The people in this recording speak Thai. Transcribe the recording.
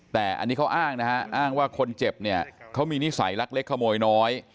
แต่อันนี้เขาอ้างนะฮะอ้างว่าคนเจ็บเนี่ยเขามีนิสัยลักเล็กขโมยน้อย